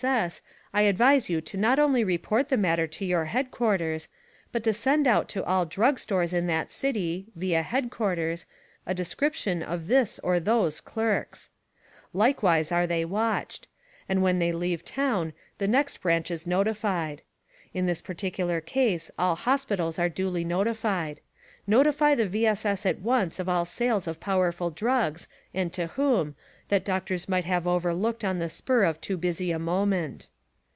S. S., I advise you to not only report the matter to your headquarters, but to send out to all drug stores in that city (via headquarters) a description of this or those clerks. Likewise are they watched; and when they leave town the next branch is noti fied. In this particular case all hospitals are duly notified. Notify the V. S. S. SPY PROOF AMERICA 19 at once of all sales of powerful drugs, and to whom, that doctors might have overlooked on the spur of too busy a moment.